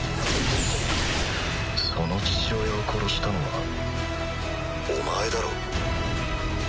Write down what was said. その父親を殺したのはお前だろ。